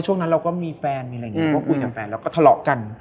ช่วงนั้นเราก็มีแฟนก็คุยกับแฟนแล้วก็ถรอกกัน